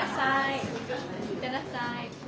行ってらっしゃい。